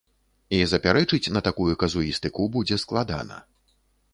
І запярэчыць на такую казуістыку будзе складана.